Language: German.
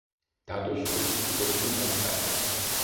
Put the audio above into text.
Dadurch verbiegt sich der Bimetallstreifen.